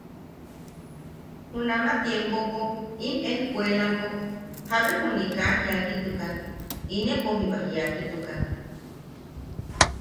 Junama tiempopo im ejkkuelapo jabe juni kaa jiakitukan, inepo jiba jiakitukan.